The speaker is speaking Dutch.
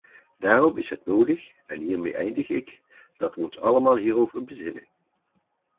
Daarom is het nodig, en hiermee eindig ik, dat we ons allemaal hierover bezinnen.